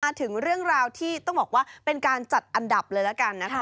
ถึงเรื่องราวที่ต้องบอกว่าเป็นการจัดอันดับเลยละกันนะคะ